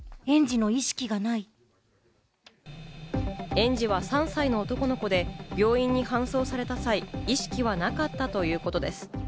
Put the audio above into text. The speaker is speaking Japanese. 園児は３歳の男の子で、病院に搬送された際、意識はなかったということです。